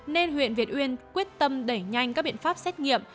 nên huyện việt yên quyết tâm đẩy nhanh các biện pháp xét nghiệm